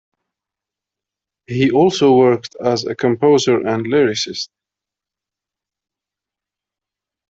He also worked as a composer and lyricist.